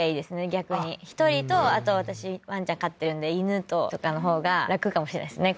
逆に１人とあと私ワンちゃん飼ってるんで犬ととかのほうが楽かもしれないですね